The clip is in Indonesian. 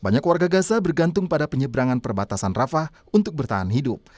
banyak warga gaza bergantung pada penyeberangan perbatasan rafah untuk bertahan hidup